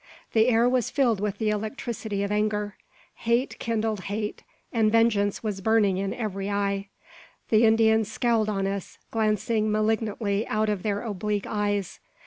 The air was filled with the electricity of anger. Hate kindled hate, and vengeance was burning in every eye. The Indians scowled on us, glancing malignantly out of their oblique eyes.